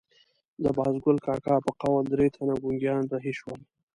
د بازګل کاکا په قول درې تنه ګونګیان رهي شول.